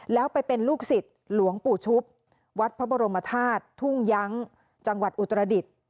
แล้วไปเป็นลูกศิษย์หลวงปู่ชุบวัดพระบรมธาตุทุ่งยั้งจังหวัดอุตรดิษฐ์